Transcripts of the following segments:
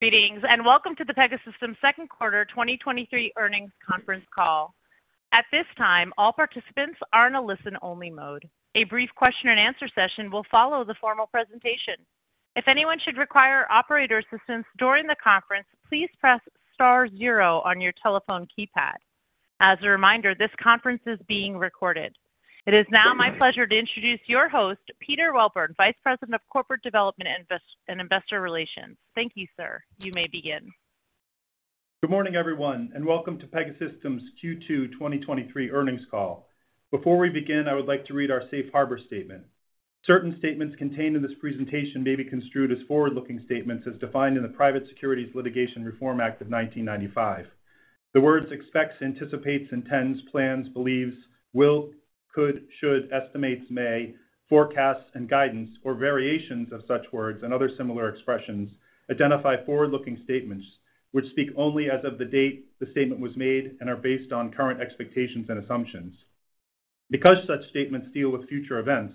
Greetings, welcome to the Pegasystems Second Quarter 2023 Earnings Conference Call. At this time, all participants are in a listen-only mode. A brief question and answer session will follow the formal presentation. If anyone should require operator assistance during the conference, please press star zero on your telephone keypad. As a reminder, this conference is being recorded. It is now my pleasure to introduce your host, Peter Welburn, Vice President of Corporate Development and Investor Relations. Thank you, sir. You may begin. Good morning, everyone, and welcome to Pegasystems Q2 2023 earnings call. Before we begin, I would like to read our safe harbor statement. Certain statements contained in this presentation may be construed as forward-looking statements as defined in the Private Securities Litigation Reform Act of 1995. The words expects, anticipates, intends, plans, believes, will, could, should, estimates, may, forecasts, and guidance, or variations of such words and other similar expressions, identify forward-looking statements, which speak only as of the date the statement was made and are based on current expectations and assumptions. Because such statements deal with future events,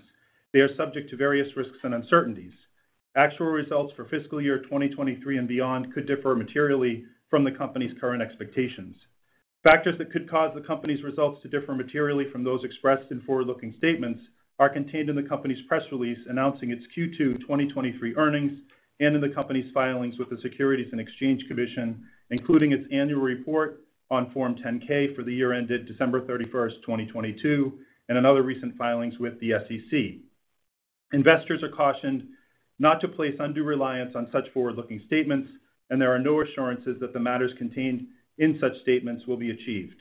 they are subject to various risks and uncertainties. Actual results for fiscal year 2023 and beyond could differ materially from the company's current expectations. Factors that could cause the company's results to differ materially from those expressed in forward-looking statements are contained in the company's press release announcing its Q2 2023 earnings and in the company's filings with the Securities and Exchange Commission, including its annual report on Form 10-K for the year ended December 31st, 2022, and in other recent filings with the SEC. Investors are cautioned not to place undue reliance on such forward-looking statements, and there are no assurances that the matters contained in such statements will be achieved.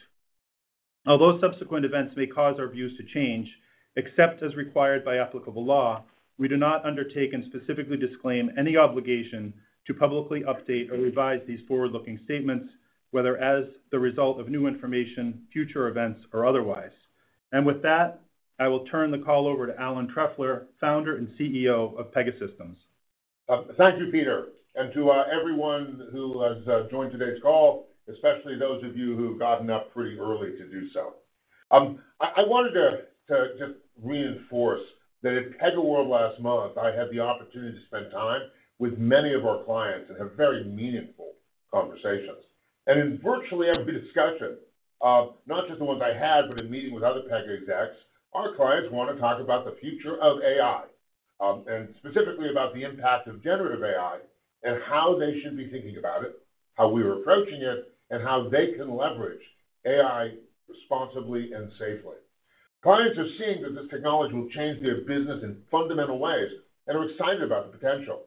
Although subsequent events may cause our views to change, except as required by applicable law, we do not undertake and specifically disclaim any obligation to publicly update or revise these forward-looking statements, whether as the result of new information, future events, or otherwise. With that, I will turn the call over to Alan Trefler, Founder and CEO of Pegasystems. Thank you, Peter, and to everyone who has joined today's call, especially those of you who've gotten up pretty early to do so. I wanted to reinforce that at PegaWorld last month, I had the opportunity to spend time with many of our clients and have very meaningful conversations. In virtually every discussion, not just the ones I had, but in meeting with other Pega execs, our clients want to talk about the future of AI, and specifically about the impact of generative AI and how they should be thinking about it, how we were approaching it, and how they can leverage AI responsibly and safely. Clients are seeing that this technology will change their business in fundamental ways and are excited about the potential.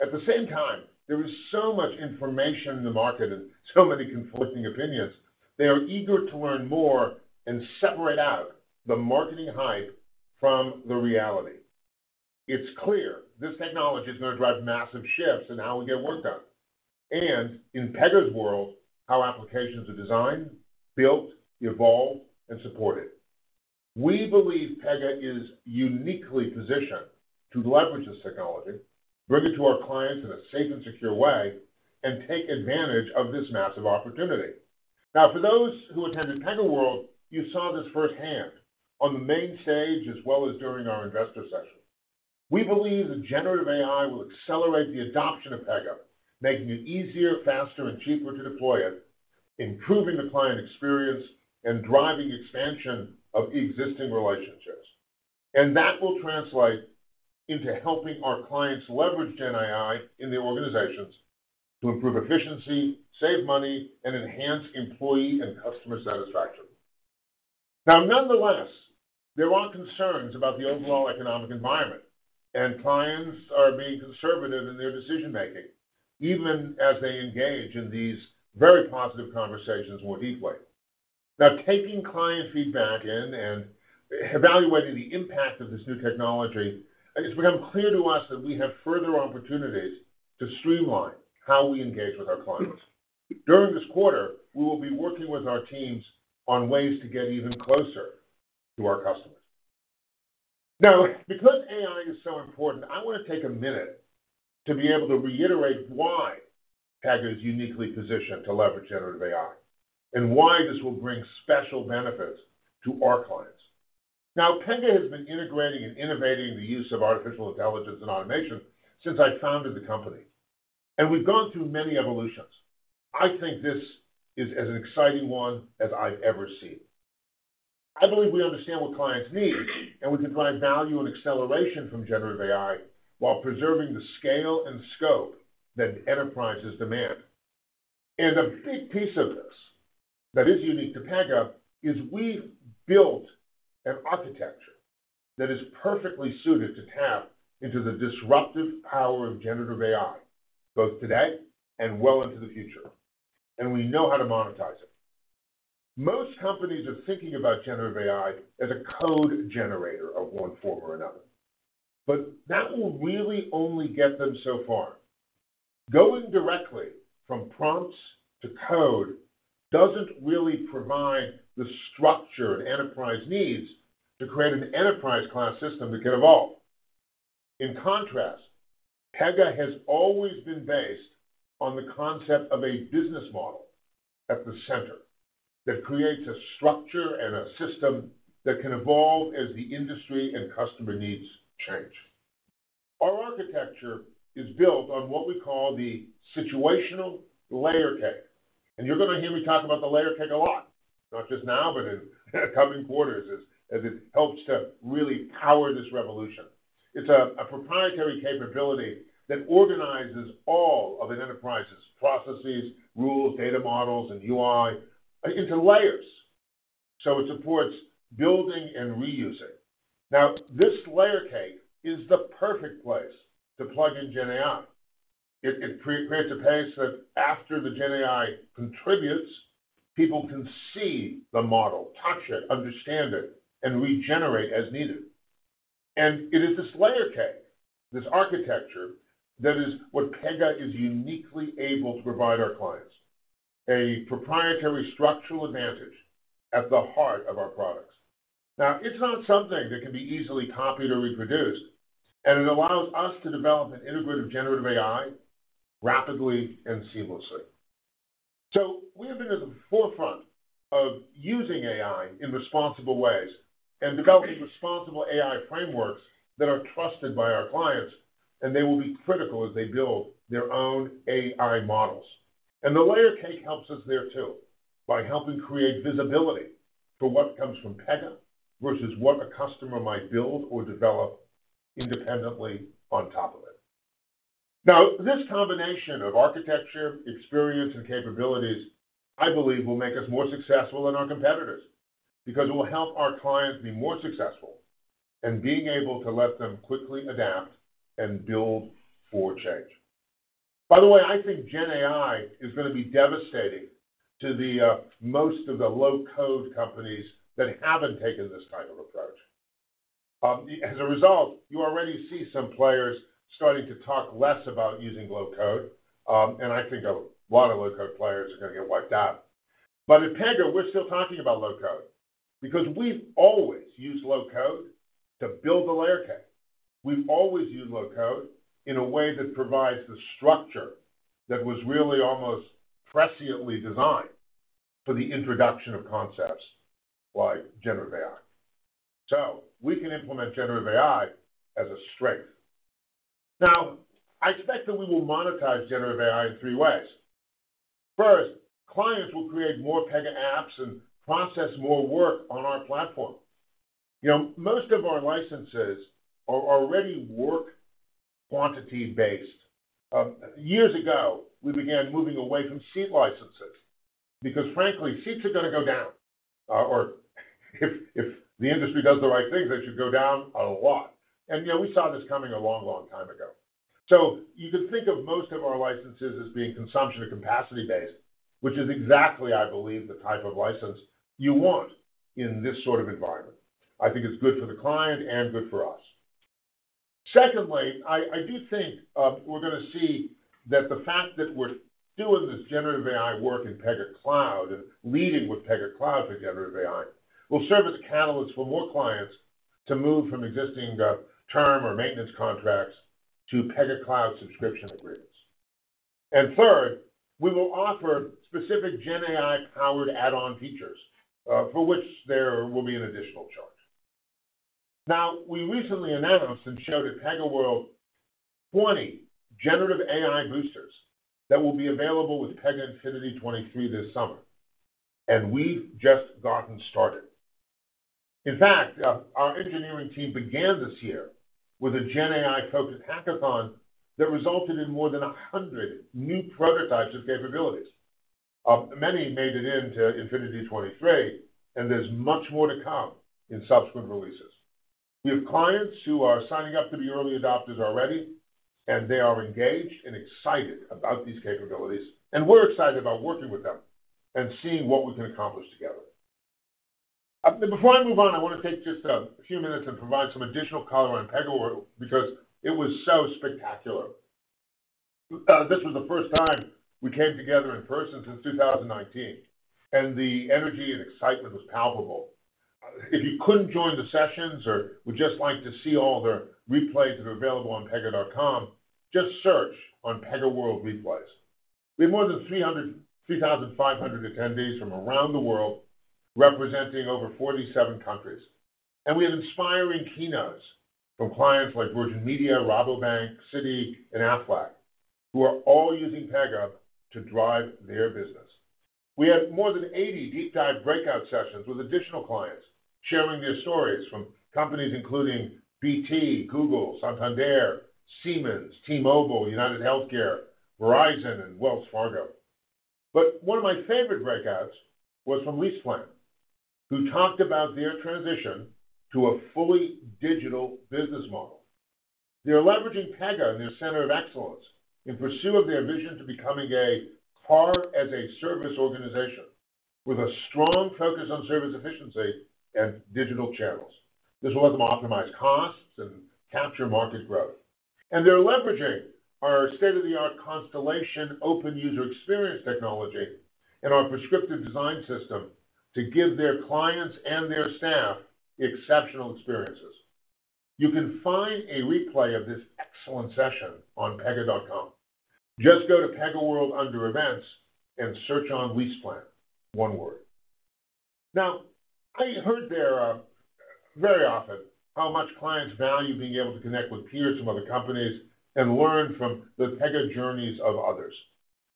At the same time, there is so much information in the market and so many conflicting opinions, they are eager to learn more and separate out the marketing hype from the reality. It's clear this technology is going to drive massive shifts in how we get work done, and in Pega's world, how applications are designed, built, evolved, and supported. We believe Pega is uniquely positioned to leverage this technology, bring it to our clients in a safe and secure way, and take advantage of this massive opportunity. For those who attended PegaWorld, you saw this firsthand on the main stage, as well as during our investor session. We believe that generative AI will accelerate the adoption of Pega, making it easier, faster, and cheaper to deploy it, improving the client experience, and driving expansion of existing relationships. That will translate into helping our clients leverage GenAI in their organizations to improve efficiency, save money, and enhance employee and customer satisfaction. Nonetheless, there are concerns about the overall economic environment, and clients are being conservative in their decision-making, even as they engage in these very positive conversations more deeply. Taking client feedback in and evaluating the impact of this new technology, it's become clear to us that we have further opportunities to streamline how we engage with our clients. During this quarter, we will be working with our teams on ways to get even closer to our customers. Because AI is so important, I want to take a minute to be able to reiterate why Pega is uniquely positioned to leverage generative AI, and why this will bring special benefits to our clients. Pega has been integrating and innovating the use of artificial intelligence and automation since I founded the company, and we've gone through many evolutions. I think this is as an exciting one as I've ever seen. I believe we understand what clients need, and we can provide value and acceleration from generative AI while preserving the scale and scope that enterprises demand. A big piece of this that is unique to Pega is we've built an architecture that is perfectly suited to tap into the disruptive power of generative AI, both today and well into the future, and we know how to monetize it. Most companies are thinking about generative AI as a code generator of one form or another, but that will really only get them so far. Going directly from prompts to code doesn't really provide the structure enterprise needs to create an enterprise-class system that can evolve. In contrast, Pega has always been based on the concept of a business model at the center. That creates a structure and a system that can evolve as the industry and customer needs change. Our architecture is built on what we call the Situational Layer Cake, and you're going to hear me talk about the layer cake a lot, not just now, but in coming quarters, as it helps to really power this revolution. It's a proprietary capability that organizes all of an enterprise's processes, rules, data models, and UI into layers. It supports building and reusing. This layer cake is the perfect place to plug in GenAI. It creates a pace that after the GenAI contributes, people can see the model, touch it, understand it, and regenerate as needed. It is this Layer Cake, this architecture, that is what Pega is uniquely able to provide our clients. A proprietary structural advantage at the heart of our products. It's not something that can be easily copied or reproduced, and it allows us to develop an integrative generative AI rapidly and seamlessly. We have been at the forefront of using AI in responsible ways and developing responsible AI frameworks that are trusted by our clients, and they will be critical as they build their own AI models. The Layer Cake helps us there, too, by helping create visibility for what comes from Pega versus what a customer might build or develop independently on top of it. This combination of architecture, experience, and capabilities, I believe, will make us more successful than our competitors because it will help our clients be more successful in being able to let them quickly adapt and build for change. I think GenAI is going to be devastating to the most of the low-code companies that haven't taken this kind of approach. As a result, you already see some players starting to talk less about using low code, and I think a lot of low-code players are going to get wiped out. At Pega, we're still talking about low code because we've always used low code to build the layer cake. We've always used low code in a way that provides the structure that was really almost presciently designed for the introduction of concepts like generative AI. We can implement generative AI as a strength. Now, I expect that we will monetize generative AI in three ways. First, clients will create more Pega apps and process more work on our platform. You know, most of our licenses are already work quantity-based. Years ago, we began moving away from seat licenses because frankly, seats are going to go down. Or if the industry does the right things, they should go down a lot. You know, we saw this coming a long, long time ago. You could think of most of our licenses as being consumption and capacity-based, which is exactly, I believe, the type of license you want in this sort of environment. I think it's good for the client and good for us. Secondly, I do think we're going to see that the fact that we're doing this generative AI work in Pega Cloud and leading with Pega Cloud for generative AI, will serve as a catalyst for more clients to move from existing term or maintenance contracts to Pega Cloud subscription agreements. Third, we will offer specific GenAI-powered add-on features, for which there will be an additional charge. Now, we recently announced and showed at PegaWorld 20 generative AI boosters that will be available with Pega Infinity 2023 this summer, and we've just gotten started. In fact, our engineering team began this year with a GenAI-focused hackathon that resulted in more than 100 new prototypes of capabilities. Many made it into Infinity '23, and there's much more to come in subsequent releases. We have clients who are signing up to be early adopters already, and they are engaged and excited about these capabilities, and we're excited about working with them and seeing what we can accomplish together. Before I move on, I want to take just a few minutes and provide some additional color on PegaWorld because it was so spectacular. This was the first time we came together in person since 2019, and the energy and excitement was palpable. If you couldn't join the sessions or would just like to see all the replays that are available on pega.com, just search on PegaWorld replays. We had more than 3,500 attendees from around the world, representing over 47 countries. We had inspiring keynotes from clients like Virgin Media, Rabobank, Citi, and Aflac, who are all using Pega to drive their business. We had more than 80 deep dive breakout sessions with additional clients sharing their stories from companies including BT, Google, Santander, Siemens, T-Mobile, UnitedHealthcare, Verizon, and Wells Fargo. One of my favorite breakouts was from LeasePlan, who talked about their transition to a fully digital business model. They are leveraging Pega in their center of excellence in pursuit of their vision to becoming a car as a service organization with a strong focus on service efficiency and digital channels. This will let them optimize costs and capture market growth. They're leveraging our state-of-the-art Constellation, open user experience technology, and our prescriptive design system to give their clients and their staff exceptional experiences. You can find a replay of this excellent session on pega.com. Just go to PegaWorld under Events and search on LeasePlan, one word. I heard there, very often how much clients value being able to connect with peers from other companies and learn from the Pega journeys of others.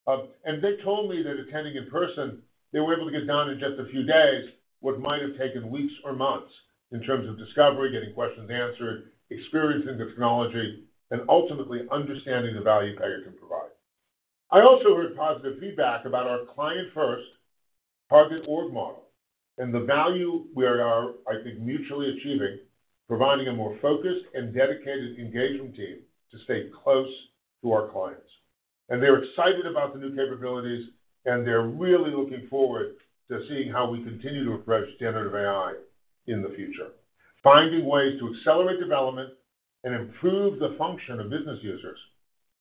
They told me that attending in person, they were able to get done in just a few days what might have taken weeks or months in terms of discovery, getting questions answered, experiencing the technology, and ultimately understanding the value Pega can provide. I also heard positive feedback about our client-first target org model and the value we are, I think, mutually achieving, providing a more focused and dedicated engagement team to stay close to our clients. They're excited about the new capabilities, and they're really looking forward to seeing how we continue to approach generative AI in the future, finding ways to accelerate development and improve the function of business users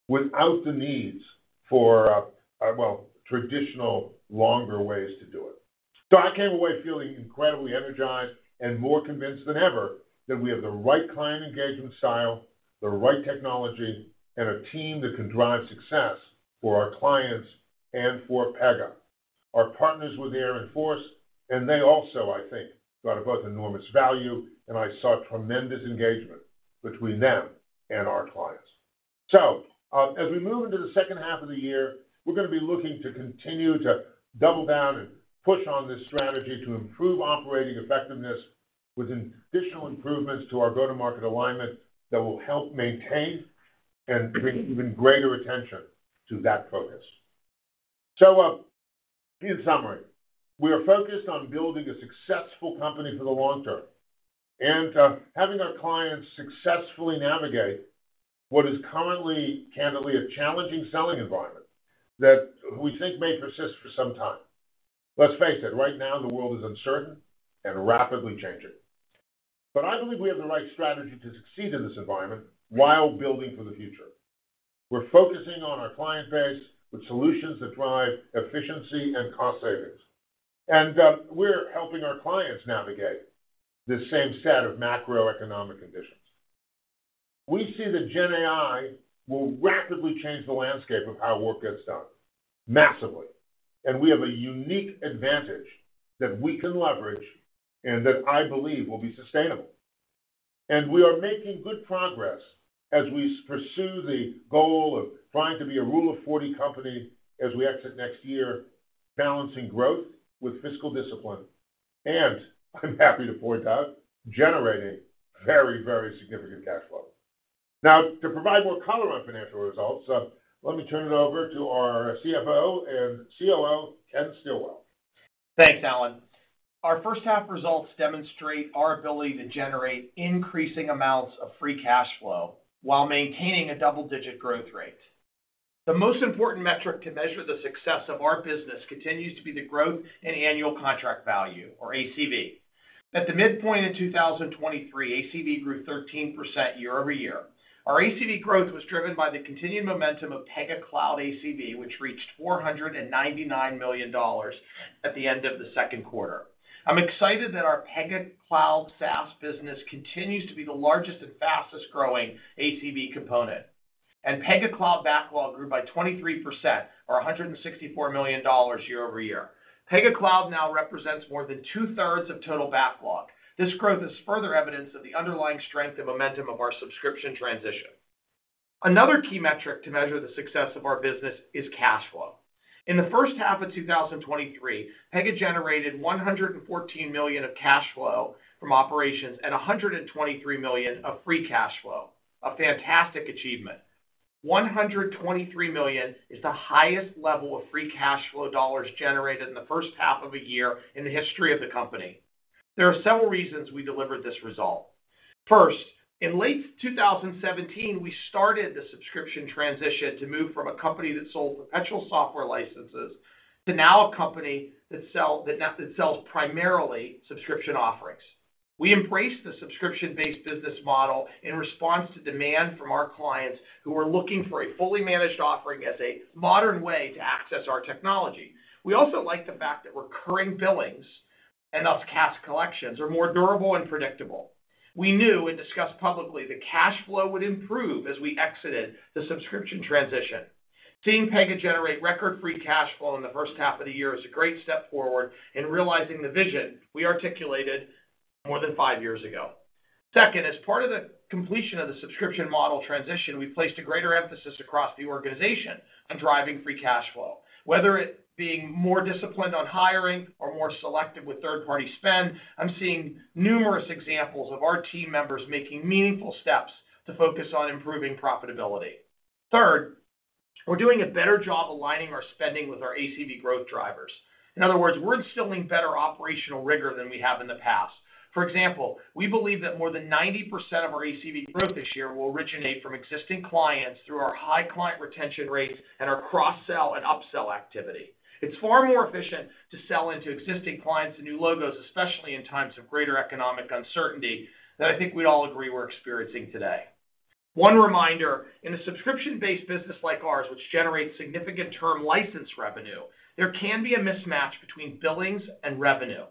without the needs for, well, traditional, longer ways to do it. I came away feeling incredibly energized and more convinced than ever that we have the right client engagement style, the right technology, and a team that can drive success for our clients and for Pega. Our partners were there in force, and they also, I think, got both enormous value, and I saw tremendous engagement between them and our clients. As we move into the second half of the year, we're going to be looking to continue to double down and push on this strategy to improve operating effectiveness with additional improvements to our go-to-market alignment that will help maintain and bring even greater attention to that focus. In summary, we are focused on building a successful company for the long term and having our clients successfully navigate what is currently, candidly, a challenging selling environment that we think may persist for some time. Let's face it, right now, the world is uncertain and rapidly changing. I believe we have the right strategy to succeed in this environment while building for the future. We're focusing on our client base with solutions that drive efficiency and cost savings. We're helping our clients navigate this same set of macroeconomic conditions. We see that GenAI will rapidly change the landscape of how work gets done, massively. We have a unique advantage that we can leverage and that I believe will be sustainable. We are making good progress as we pursue the goal of trying to be a Rule of 40 company as we exit next year, balancing growth with fiscal discipline, and I'm happy to point out, generating very significant cash flow. To provide more color on financial results, let me turn it over to our CFO and COO, Ken Stillwell. Thanks, Alan. Our first half results demonstrate our ability to generate increasing amounts of free cash flow while maintaining a double-digit growth rate. The most important metric to measure the success of our business continues to be the growth in annual contract value or ACV. At the midpoint in 2023, ACV grew 13% year-over-year. Our ACV growth was driven by the continued momentum of Pega Cloud ACV, which reached $499 million at the end of the second quarter. I'm excited that our Pega Cloud SaaS business continues to be the largest and fastest-growing ACV component, and Pega Cloud backlog grew by 23% or $164 million year-over-year. Pega Cloud now represents more than two-thirds of total backlog. This growth is further evidence of the underlying strength and momentum of our subscription transition. Another key metric to measure the success of our business is cash flow. In the first half of 2023, Pega generated $114 million of cash flow from operations and $123 million of free cash flow, a fantastic achievement. $123 million is the highest level of free cash flow dollars generated in the first half of a year in the history of the company. There are several reasons we delivered this result. First, in late 2017, we started the subscription transition to move from a company that sold perpetual software licenses to now a company that sells primarily subscription offerings. We embraced the subscription-based business model in response to demand from our clients, who were looking for a fully managed offering as a modern way to access our technology. We also like the fact that recurring billings and thus cash collections are more durable and predictable. We knew and discussed publicly that cash flow would improve as we exited the subscription transition. Seeing Pega generate record-free cash flow in the first half of the year is a great step forward in realizing the vision we articulated more than five years ago. Second, as part of the completion of the subscription model transition, we placed a greater emphasis across the organization on driving free cash flow. Whether it being more disciplined on hiring or more selective with third-party spend, I'm seeing numerous examples of our team members making meaningful steps to focus on improving profitability. Third, we're doing a better job aligning our spending with our ACV growth drivers. In other words, we're instilling better operational rigor than we have in the past. For example, we believe that more than 90% of our ACV growth this year will originate from existing clients through our high client retention rates and our cross-sell and upsell activity. It's far more efficient to sell into existing clients than new logos, especially in times of greater economic uncertainty that I think we'd all agree we're experiencing today. One reminder, in a subscription-based business like ours, which generates significant term license revenue, there can be a mismatch between billings and revenue.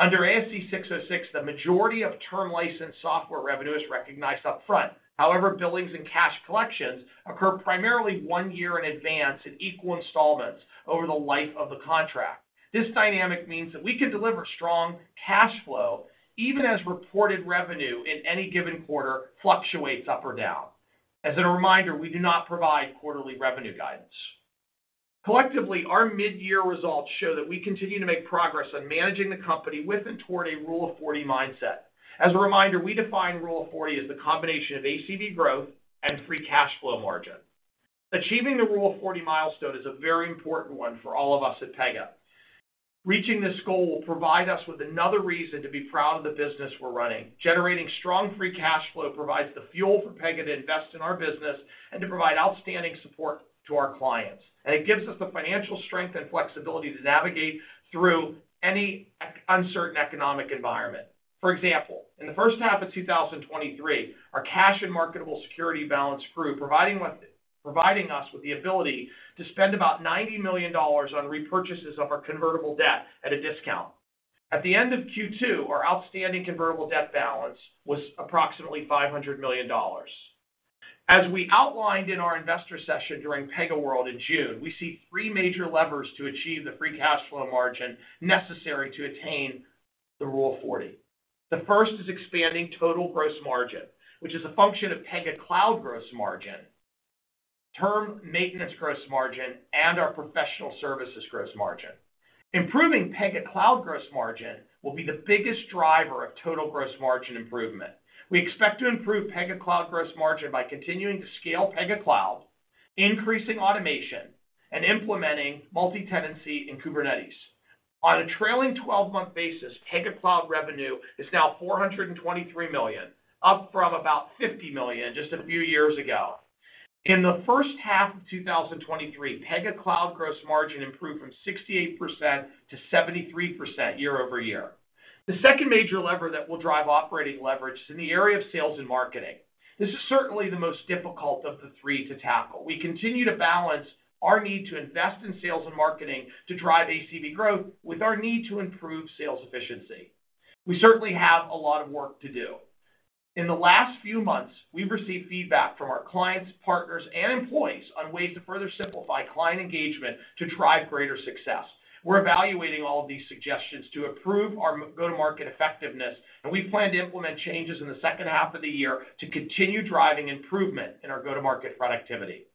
Under ASC 606, the majority of term license software revenue is recognized upfront. However, billings and cash collections occur primarily one year in advance in equal installments over the life of the contract. This dynamic means that we can deliver strong cash flow, even as reported revenue in any given quarter fluctuates up or down. As a reminder, we do not provide quarterly revenue guidance. Collectively, our mid-year results show that we continue to make progress on managing the company with and toward a Rule of 40 mindset. As a reminder, we define Rule of 40 as the combination of ACV growth and free cash flow margin. Achieving the Rule of 40 milestone is a very important one for all of us at Pega. Reaching this goal will provide us with another reason to be proud of the business we're running. Generating strong free cash flow provides the fuel for Pega to invest in our business and to provide outstanding support to our clients. It gives us the financial strength and flexibility to navigate through any uncertain economic environment. For example, in the first half of 2023, our cash and marketable security balance grew, providing us with the ability to spend about $90 million on repurchases of our convertible debt at a discount. At the end of Q2, our outstanding convertible debt balance was approximately $500 million. As we outlined in our investor session during PegaWorld in June, we see three major levers to achieve the free cash flow margin necessary to attain the Rule of 40. The first is expanding total gross margin, which is a function of Pega Cloud gross margin, term maintenance gross margin, and our professional services gross margin. Improving Pega Cloud gross margin will be the biggest driver of total gross margin improvement. We expect to improve Pega Cloud gross margin by continuing to scale Pega Cloud, increasing automation, and implementing multi-tenancy in Kubernetes. On a trailing 12-month basis, Pega Cloud revenue is now $423 million, up from about $50 million just a few years ago. In the first half of 2023, Pega Cloud gross margin improved from 68% to 73% year-over-year. The second major lever that will drive operating leverage is in the area of sales and marketing. This is certainly the most difficult of the three to tackle. We continue to balance our need to invest in sales and marketing to drive ACV growth with our need to improve sales efficiency. We certainly have a lot of work to do. In the last few months, we've received feedback from our clients, partners, and employees on ways to further simplify client engagement to drive greater success. We're evaluating all of these suggestions to improve our go-to-market effectiveness. We plan to implement changes in the second half of the year to continue driving improvement in our go-to-market productivity.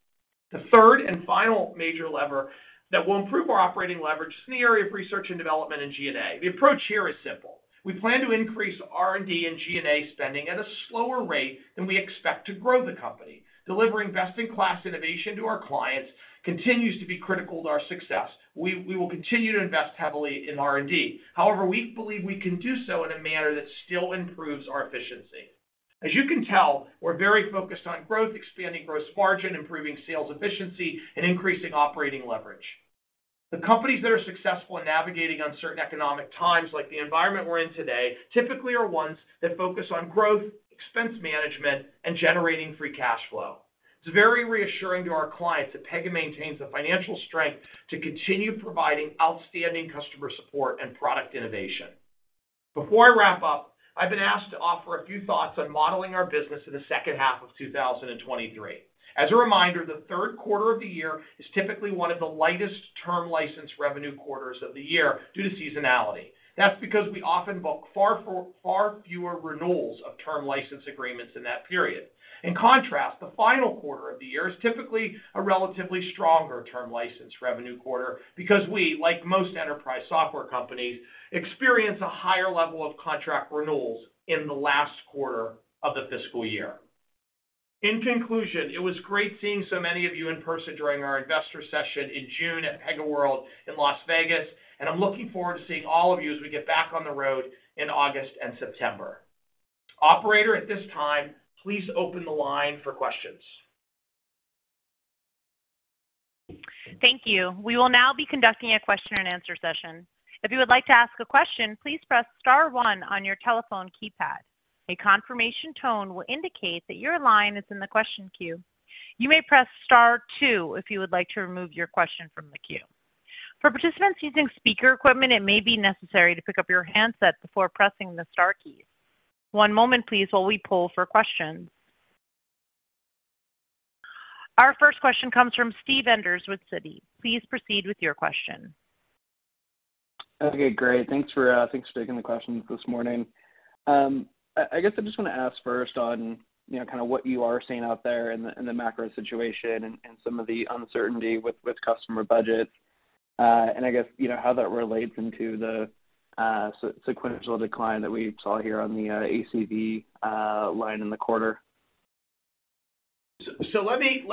The third and final major lever that will improve our operating leverage is in the area of research and development and G&A. The approach here is simple: We plan to increase R&D and G&A spending at a slower rate than we expect to grow the company. Delivering best-in-class innovation to our clients continues to be critical to our success. We will continue to invest heavily in R&D. However, we believe we can do so in a manner that still improves our efficiency. As you can tell, we're very focused on growth, expanding gross margin, improving sales efficiency, and increasing operating leverage. The companies that are successful in navigating uncertain economic times, like the environment we're in today, typically are ones that focus on growth, expense management, and generating free cash flow. It's very reassuring to our clients that Pega maintains the financial strength to continue providing outstanding customer support and product innovation. Before I wrap up, I've been asked to offer a few thoughts on modeling our business in the second half of 2023. As a reminder, the third quarter of the year is typically one of the lightest term license revenue quarters of the year due to seasonality. That's because we often book far fewer renewals of term license agreements in that period. In contrast, the final quarter of the year is typically a relatively stronger term license revenue quarter because we, like most enterprise software companies, experience a higher level of contract renewals in the last quarter of the fiscal year. In conclusion, it was great seeing so many of you in person during our investor session in June at PegaWorld in Las Vegas, and I'm looking forward to seeing all of you as we get back on the road in August and September. Operator, at this time, please open the line for questions. Thank you. We will now be conducting a question-and-answer session. If you would like to ask a question, please press star one on your telephone keypad. A confirmation tone will indicate that your line is in the question queue. You may press star two if you would like to remove your question from the queue. For participants using speaker equipment, it may be necessary to pick up your handset before pressing the star keys. One moment, please, while we pull for questions. Our first question comes from Steve Enders with Citi. Please proceed with your question. Okay, great. Thanks for, thanks for taking the questions this morning. I guess I just want to ask first on, you know, kind of what you are seeing out there in the, in the macro situation and some of the uncertainty with customer budgets, and I guess, you know, how that relates into the sequential decline that we saw here on the ACV line in the quarter. Let me,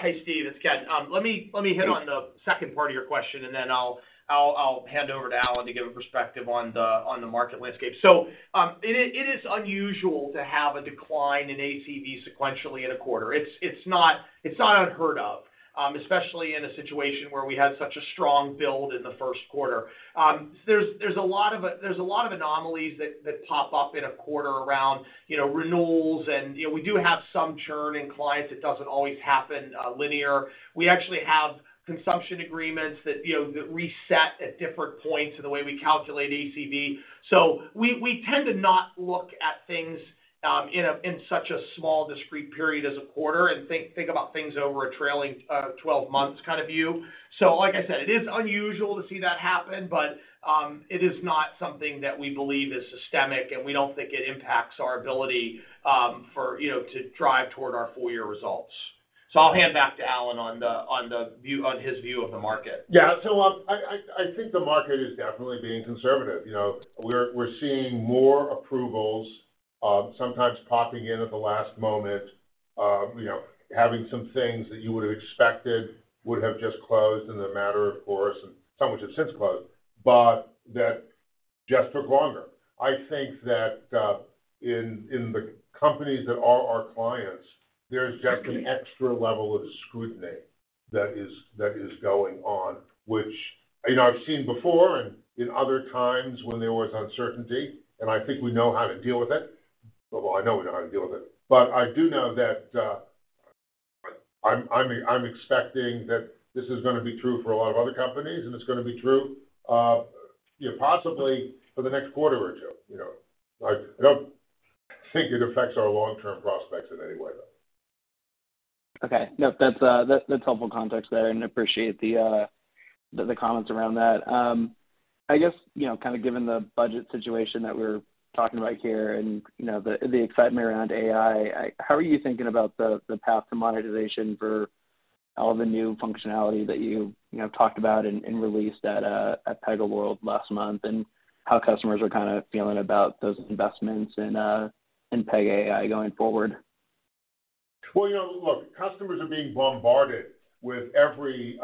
Hey, Steve, it's Ken. Let me hit on the second part of your question, and then I'll hand over to Alan to give a perspective on the market landscape. It is unusual to have a decline in ACV sequentially in a quarter. It's not unheard of, especially in a situation where we had such a strong build in the first quarter. There's a lot of anomalies that pop up in a quarter around, you know, renewals, and, you know, we do have some churn in clients. It doesn't always happen linear. We actually have consumption agreements that, you know, that reset at different points in the way we calculate ACV. We tend to not look at things in such a small, discrete period as a quarter and think about things over a trailing 12 months kind of view. Like I said, it is unusual to see that happen, but it is not something that we believe is systemic, and we don't think it impacts our ability, for, you know, to drive toward our full year results. I'll hand back to Alan on his view of the market. Yeah. I think the market is definitely being conservative. You know, we're seeing more approvals, sometimes popping in at the last moment, you know, having some things that you would have expected would have just closed in a matter of course, and some of which have since closed, but that just took longer. I think that in the companies that are our clients, there's just an extra level of scrutiny that is going on, which, you know, I've seen before and in other times when there was uncertainty, and I think we know how to deal with it. Well, I know we know how to deal with it. I do know that, I'm expecting that this is gonna be true for a lot of other companies, and it's gonna be true, you know, possibly for the next quarter or 2, you know. I don't think it affects our long-term prospects in any way, though. Okay. Nope, that's helpful context there, and appreciate the comments around that. I guess, you know, kind of given the budget situation that we're talking about here and, you know, the excitement around AI, how are you thinking about the path to monetization for all the new functionality that you know, talked about and released at PegaWorld last month, and how customers are kind of feeling about those investments and Pega AI going forward? Well, you know, look, customers are being bombarded with every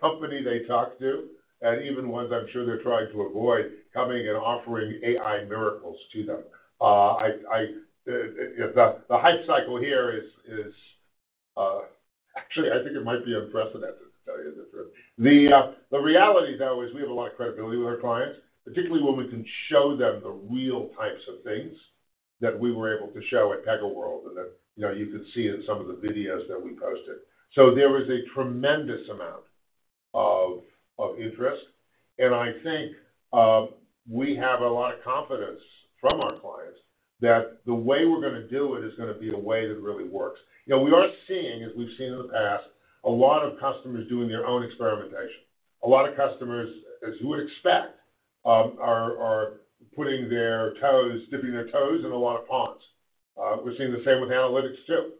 company they talk to, and even ones I'm sure they're trying to avoid, coming and offering AI miracles to them. The hype cycle here is actually, I think it might be unprecedented, to tell you the truth. The reality, though, is we have a lot of credibility with our clients, particularly when we can show them the real types of things that we were able to show at PegaWorld and that, you know, you could see in some of the videos that we posted. There is a tremendous amount of interest, and I think, we have a lot of confidence from our clients that the way we're gonna do it is gonna be a way that really works. You know, we are seeing, as we've seen in the past, a lot of customers doing their own experimentation. A lot of customers, as you would expect, are dipping their toes in a lot of ponds. We're seeing the same with analytics, too,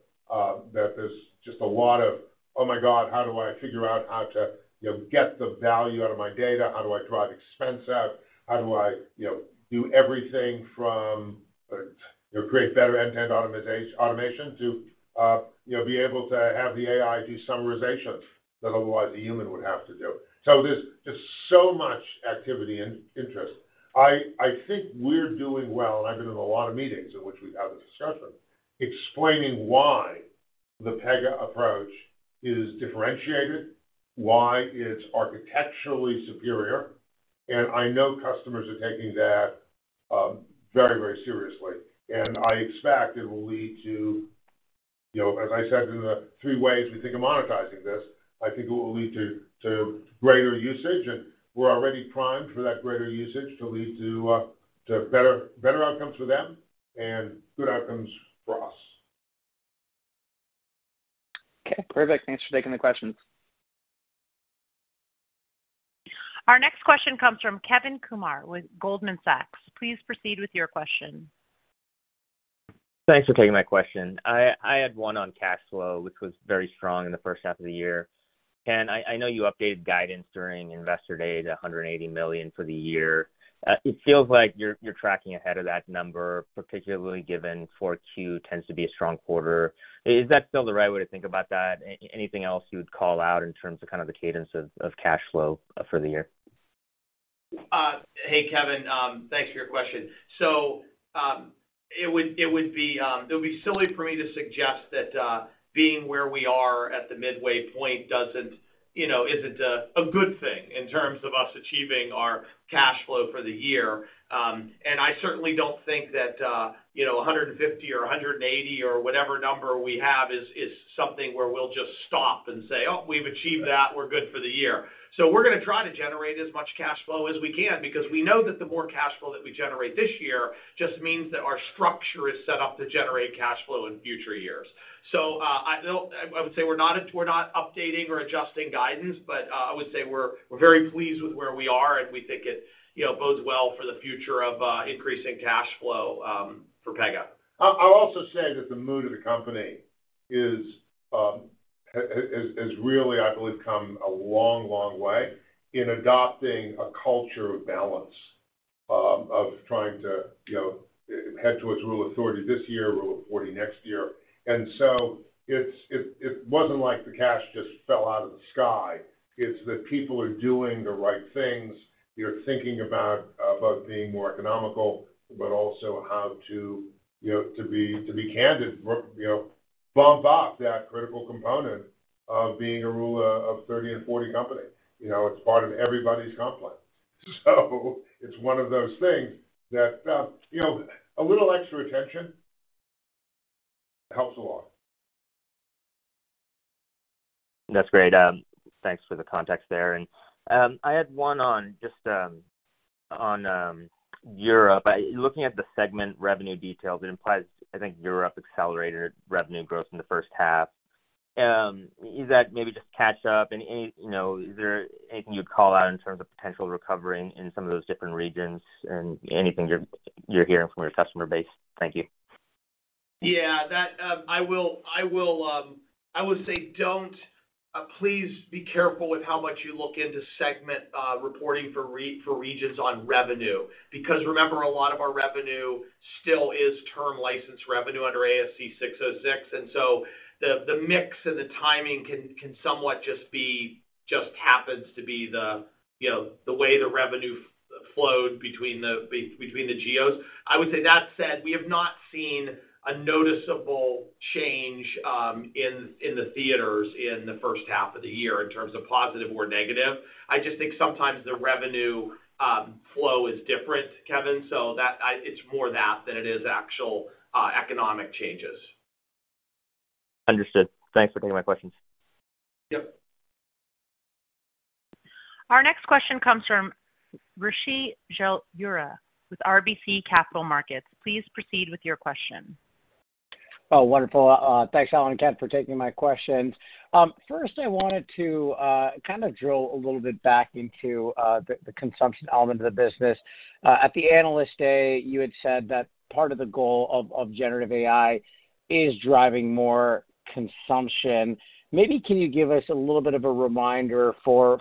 that there's just a lot of, "Oh, my God, how do I figure out how to, you know, get the value out of my data? How do I drive expense out? How do I, you know, do everything from, you know, create better end-to-end automation to, you know, be able to have the AI do summarization that otherwise a human would have to do?" There's so much activity and interest. I think we're doing well, and I've been in a lot of meetings in which we've had this discussion, explaining why the Pega approach is differentiated, why it's architecturally superior, and I know customers are taking that very, very seriously. I expect it will lead to, you know, as I said, in the 3 ways we think of monetizing this, I think it will lead to greater usage, and we're already primed for that greater usage to lead to better outcomes for them and good outcomes for us. Okay, perfect. Thanks for taking the questions. Our next question comes from Kevin Kumar with Goldman Sachs. Please proceed with your question. Thanks for taking my question. I had one on cash flow, which was very strong in the first half of the year. Ken, I know you updated guidance during Investor Day to $180 million for the year. It feels like you're tracking ahead of that number, particularly given Q4 tends to be a strong quarter. Is that still the right way to think about that? Anything else you would call out in terms of kind of the cadence of cash flow for the year? Hey, Kevin, thanks for your question. It would be silly for me to suggest that being where we are at the midway point doesn't, you know, isn't a good thing in terms of us achieving our cash flow for the year. And I certainly don't think that, you know, $150 or $180 or whatever number we have is something where we'll just stop and say, "Oh, we've achieved that. We're good for the year." We're gonna try to generate as much cash flow as we can because we know that the more cash flow that we generate this year just means that our structure is set up to generate cash flow in future years. I would say we're not updating or adjusting guidance, but I would say we're very pleased with where we are, and we think it, you know, bodes well for the future of increasing cash flow for Pega. I'll also say that the mood of the company is really, I believe, come a long, long way in adopting a culture of balance, of trying to head towards Rule of 40 this year, Rule of 40 next year. It wasn't like the cash just fell out of the sky. It's that people are doing the right things. They're thinking about being more economical, but also how to be candid, we're bump off that critical component of being a Rule of 30 and 40 company. It's part of everybody's complex. It's one of those things that a little extra attention helps a lot. That's great. Thanks for the context there. I had one on just on Europe. Looking at the segment revenue details, it implies, I think Europe accelerated revenue growth in the first half. Is that maybe just catch up? You know, is there anything you'd call out in terms of potential recovery in some of those different regions, and anything you're hearing from your customer base? Thank you. That, I would say don't... please be careful with how much you look into segment reporting for regions on revenue, because remember, a lot of our revenue still is term license revenue under ASC 606, and so the mix and the timing can somewhat just happens to be the, you know, the way the revenue flowed between the geos. I would say that said, we have not seen a noticeable change in the theaters in the first half of the year in terms of positive or negative. I just think sometimes the revenue flow is different, Kevin, so that it's more that than it is actual economic changes. Understood. Thanks for taking my questions. Yep. Our next question comes from Rishi Jaluria with RBC Capital Markets. Please proceed with your question. Wonderful. Thanks, Alan and Ken, for taking my questions. First, I wanted to kind of drill a little bit back into the consumption element of the business. At the Analyst Day, you had said that part of the goal of generative AI is driving more consumption. Maybe can you give us a little bit of a reminder for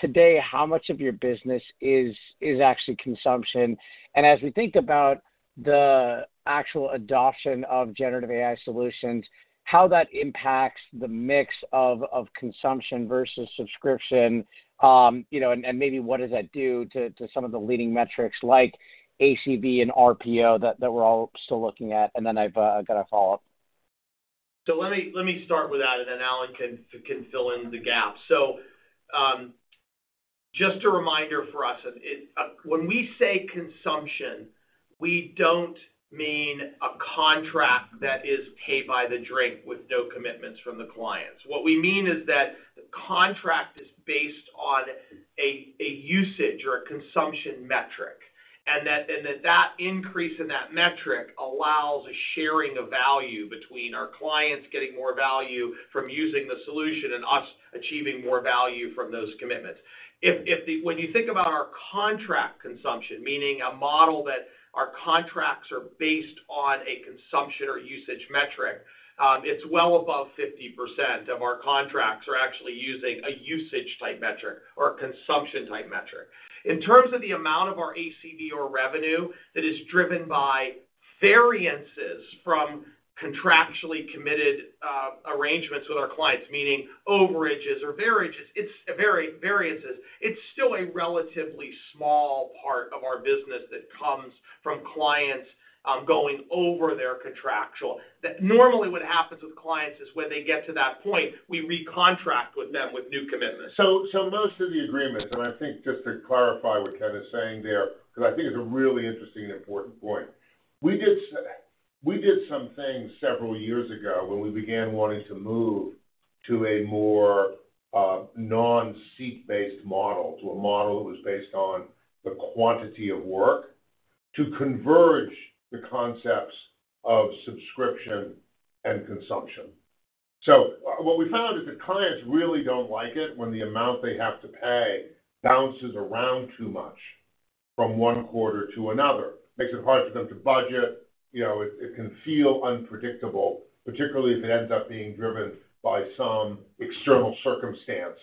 today, how much of your business is actually consumption? As we think about the actual adoption of generative AI solutions, how that impacts the mix of consumption versus subscription, you know, and maybe what does that do to some of the leading metrics like ACV and RPO that we're all still looking at? I've got a follow-up. Let me start with that, and then Alan can fill in the gaps. Just a reminder for us, it... When we say consumption, we don't mean a contract that is pay by the drink with no commitments from the clients. What we mean is that the contract is based on a usage or a consumption metric, and that increase in that metric allows a sharing of value between our clients getting more value from using the solution and us achieving more value from those commitments. If, when you think about our contract consumption, meaning a model that our contracts are based on a consumption or usage metric, it's well above 50% of our contracts are actually using a usage type metric or a consumption type metric. In terms of the amount of our ACV or revenue that is driven by variances from contractually committed arrangements with our clients, meaning overages or averages, it's variances, it's still a relatively small part of our business that comes from clients going over their contractual. That normally what happens with clients is when they get to that point, we recontract with them with new commitments. Most of the agreements, and I think just to clarify what Ken is saying there, because I think it's a really interesting and important point. We did some things several years ago when we began wanting to move to a more non-seat-based model, to a model that was based on the quantity of work, to converge the concepts of subscription and consumption. What we found is that clients really don't like it when the amount they have to pay bounces around too much from one quarter to another. Makes it hard for them to budget, you know, it can feel unpredictable, particularly if it ends up being driven by some external circumstance,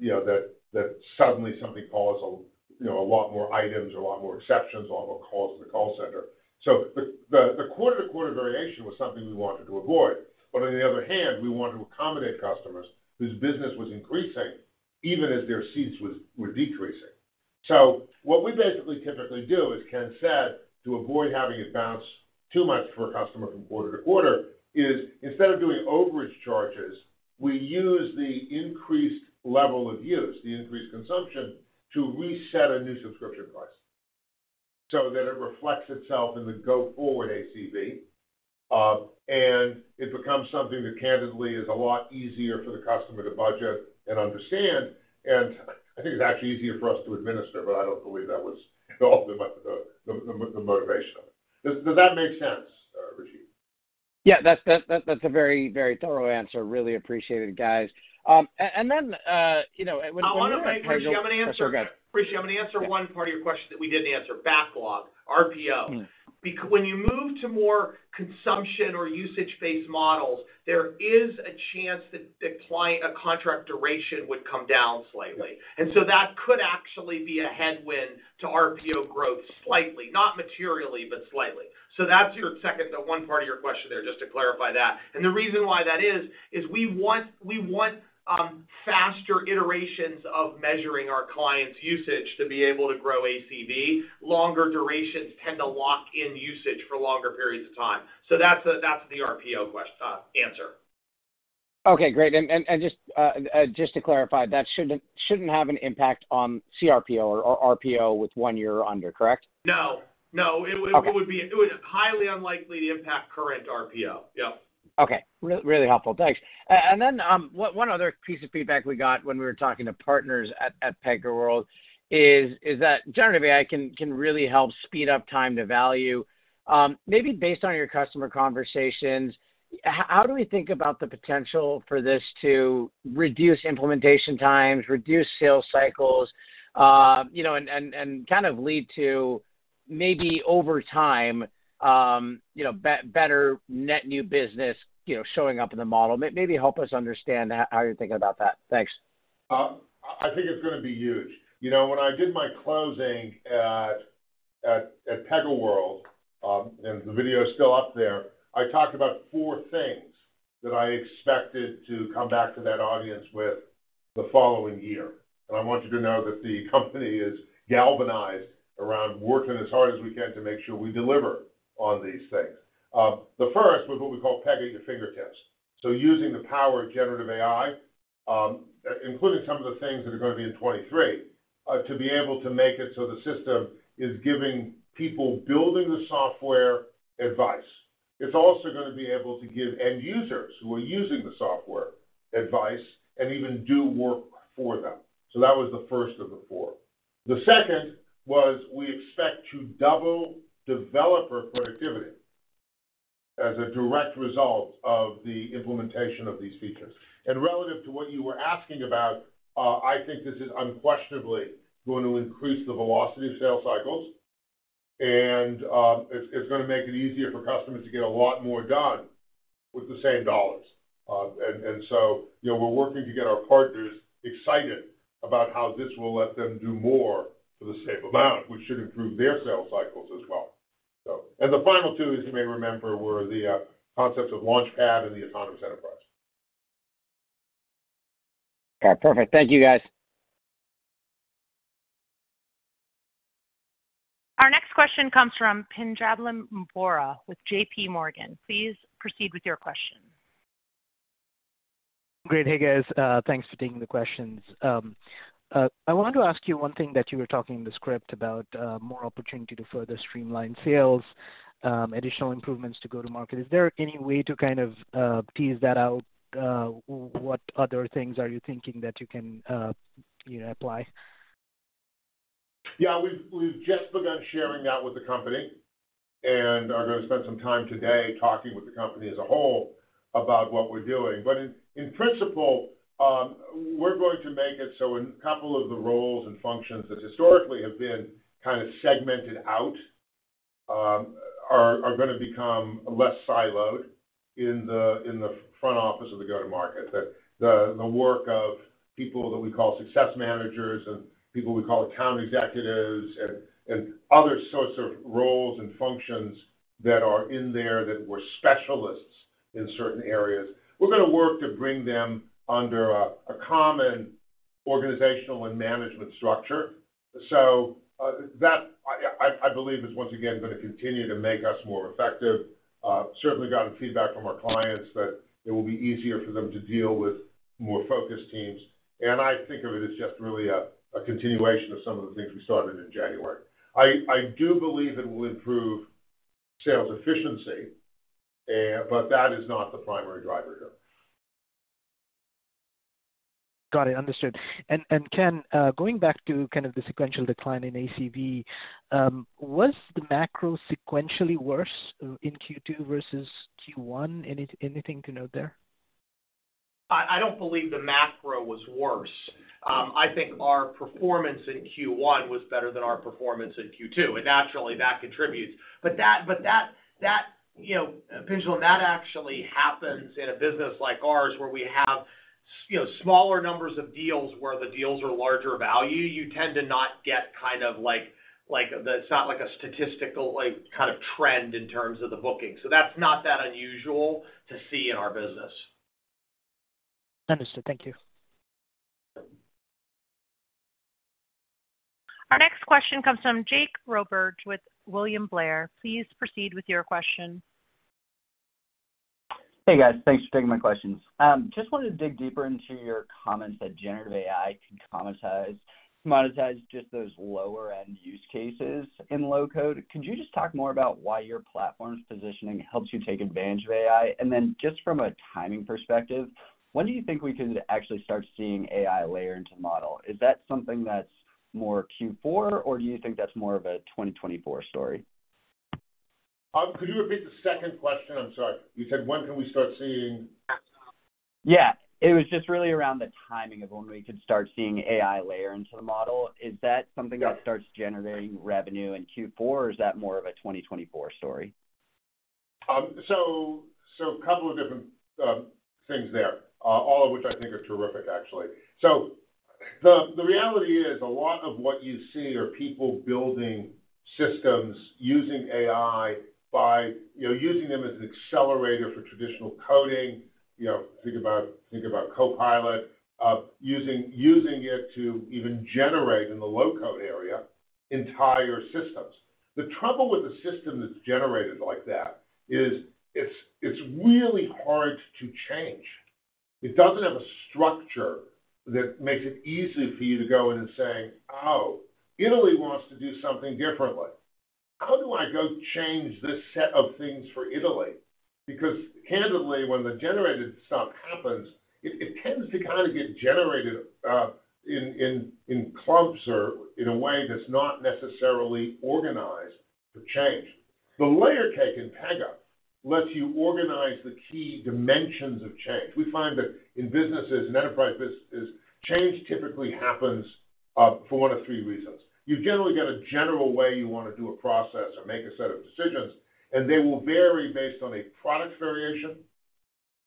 you know, that suddenly something causes, you know, a lot more items or a lot more exceptions, a lot more calls to the call center. The quarter-to-quarter variation was something we wanted to avoid, but on the other hand, we wanted to accommodate customers whose business was increasing even as their seats were decreasing. What we basically typically do, as Ken said, to avoid having it bounce too much for a customer from quarter to quarter, is instead of doing overage charges, we use the increased level of use, the increased consumption, to reset a new subscription price, so that it reflects itself in the go-forward ACV. It becomes something that, candidly, is a lot easier for the customer to budget and understand, and I think it's actually easier for us to administer, but I don't believe that was the motivation of it. Does that make sense, Rishi? Yeah, that's a very, very thorough answer. Really appreciate it, guys. You know. I'm gonna answer-. Go ahead. Rishi, I'm gonna answer one part of your question that we didn't answer. Backlog, RPO. Mm-hmm. When you move to more consumption or usage-based models, there is a chance that the client, a contract duration, would come down slightly. That could actually be a headwind to RPO growth slightly, not materially, but slightly. That's your second, the one part of your question there, just to clarify that. The reason why that is we want faster iterations of measuring our clients' usage to be able to grow ACV. Longer durations tend to lock in usage for longer periods of time. That's the, that's the RPO answer. Okay, great. Just to clarify, that shouldn't have an impact on CRPO or RPO with one year or under, correct? No, no. It would be highly unlikely to impact current RPO. Yep. Okay. Really, really helpful. Thanks. One other piece of feedback we got when we were talking to partners at PegaWorld is that generative AI can really help speed up time to value. Maybe based on your customer conversations, how do we think about the potential for this to reduce implementation times, reduce sales cycles, you know, and kind of lead to maybe over time, you know, better net new business, you know, showing up in the model? Maybe help us understand how you're thinking about that. Thanks. I think it's gonna be huge. You know, when I did my closing at PegaWorld, and the video is still up there, I talked about four things that I expected to come back to that audience with the following year. I want you to know that the company is galvanized around working as hard as we can to make sure we deliver on these things. The first was what we call Pega at your fingertips. Using the power of generative AI, including some of the things that are going to be in 23, to be able to make it so the system is giving people building the software advice. It's also gonna be able to give end users who are using the software, advice and even do work for them. That was the first of the four. The second was, we expect to double developer productivity as a direct result of the implementation of these features. Relative to what you were asking about, I think this is unquestionably going to increase the velocity of sales cycles, and, it's gonna make it easier for customers to get a lot more done with the same dollars. You know, we're working to get our partners excited about how this will let them do more for the same amount, which should improve their sales cycles as well. The final two, as you may remember, were the concepts of Launchpad and the autonomous enterprise. Okay, perfect. Thank you, guys. Our next question comes from Pinjalim Bora with JPMorgan. Please proceed with your question. Great. Hey, guys, thanks for taking the questions. I wanted to ask you one thing that you were talking in the script about, more opportunity to further streamline sales, additional improvements to go to market. Is there any way to kind of, tease that out? What other things are you thinking that you can, you know, apply? We've just begun sharing that with the company and are gonna spend some time today talking with the company as a whole about what we're doing. In principle, we're going to make it so a couple of the roles and functions that historically have been kind of segmented out, are gonna become less siloed in the front office of the go-to-market. The work of people that we call success managers and people we call account executives and other sorts of roles and functions that are in there, that we're specialists in certain areas, we're gonna work to bring them under a common organizational and management structure. That, I believe, is once again, gonna continue to make us more effective. Certainly gotten feedback from our clients that it will be easier for them to deal with more focused teams. I think of it as just really a continuation of some of the things we started in January. I do believe it will improve sales efficiency, but that is not the primary driver here. Got it. Understood. Ken, going back to kind of the sequential decline in ACV, was the macro sequentially worse in Q2 versus Q1? Anything to note there? I don't believe the macro was worse. I think our performance in Q1 was better than our performance in Q2, and naturally, that contributes. That, you know, Pinjalim, that actually happens in a business like ours, where we have you know, smaller numbers of deals where the deals are larger value. You tend to not get kind of like, the it's not like a statistical, like, kind of trend in terms of the booking. That's not that unusual to see in our business. Understood. Thank you. Our next question comes from Jake Roberge with William Blair. Please proceed with your question. Hey, guys, thanks for taking my questions. Just wanted to dig deeper into your comments that generative AI can commoditize just those lower-end use cases in low-code. Could you just talk more about why your platform's positioning helps you take advantage of AI? Then just from a timing perspective, when do you think we can actually start seeing AI layer into the model? Is that something that's more Q4, or do you think that's more of a 2024 story? Could you repeat the second question? I'm sorry. You said, when can we start seeing... Yeah. It was just really around the timing of when we could start seeing AI layer into the model. Is that something? Yeah... that starts generating revenue in Q4, or is that more of a 2024 story? A couple of different things there, all of which I think are terrific, actually. The reality is, a lot of what you see are people building systems using AI by, you know, using them as an accelerator for traditional coding. You know, think about Copilot, using it to even generate in the low-code area. Entire systems. The trouble with a system that's generated like that is, it's really hard to change. It doesn't have a structure that makes it easy for you to go in and say, "Oh, Italy wants to do something differently. How do I go change this set of things for Italy?" Candidly, when the generated stuff happens, it tends to kind of get generated in clumps or in a way that's not necessarily organized for change. The Layer Cake in Pega lets you organize the key dimensions of change. We find that in businesses, in enterprise businesses, change typically happens for one of three reasons. You've generally got a general way you want to do a process or make a set of decisions, and they will vary based on a product variation